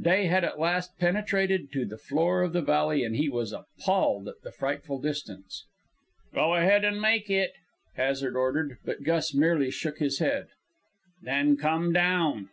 Day had at last penetrated to the floor of the valley, and he was appalled at the frightful distance. "Go ahead and make it!" Hazard ordered; but Gus merely shook his head. "Then come down!"